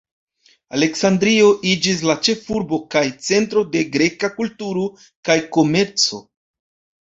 Aleksandrio iĝis la ĉefurbo kaj centro de greka kulturo kaj komerco.